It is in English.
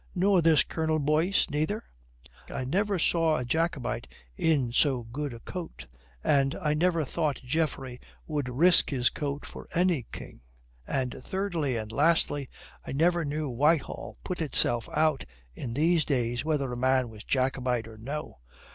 "Nor this Colonel Boyce neither?" "I never saw a Jacobite in so good a coat, and I never thought Geoffrey would risk his coat for any king. And thirdly and lastly, I never knew Whitehall put itself out in these days whether a man was Jacobite or no.